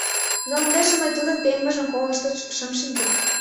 Но ындыже мый тудын пеҥмыжым колышт шым шинче.